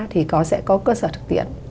thì có sẽ có cơ sở thực tiện